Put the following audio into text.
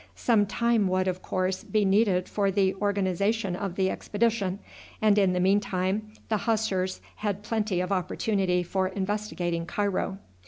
Some time would, of course, be needed for the organization of the expedition, and in the meantime the Hussars had plenty of opportunity for investigating Cairo.